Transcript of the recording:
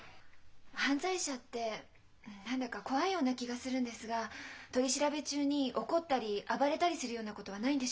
犯罪者って何だか怖いような気がするんですが取り調べ中に怒ったり暴れたりするようなことはないんでしょうか？